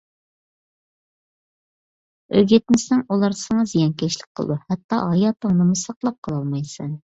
ئۆگەتمىسەڭ، ئۇلار ساڭا زىيانكەشلىك قىلىدۇ. ھەتتا ھاياتىڭنىمۇ ساقلاپ قالالمايسەن.